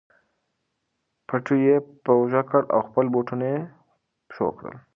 پټو یې په اوږه کړ او خپل بوټونه یې په پښو کړل.